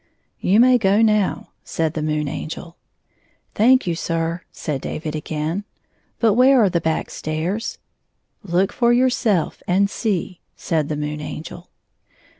'^ You may go now," said the Moon Angel. "Thank you, sir," said David again. "But where are the back stairs ?"" Look for yourself and see," said the Moon Angel.